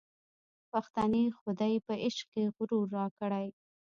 پښتنې خودۍ په عشق کي غرور راکړی